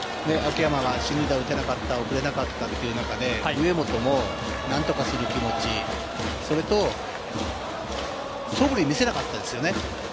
秋山が進塁打を打てなかった、送れなかったという中で、上本も何とかする気持ち、それと、そぶりを見せなかったですよね。